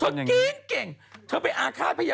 จากกระแสของละครกรุเปสันนิวาสนะฮะ